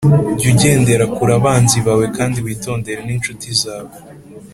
Jya ugendera kure abanzi bawe, kandi witondere n’incuti zawe